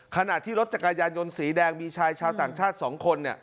ขณะที่รถจักรยานยนต์สีแดงมีชายชาวต่างชาติ๒คน